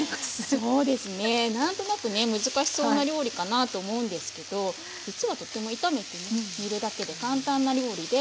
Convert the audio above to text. そうですね何となくね難しそうな料理かなと思うんですけど実はとても炒めて煮るだけで簡単な料理で。